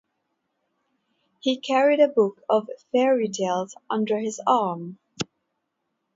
He carried a book of fairy-tales under his arm.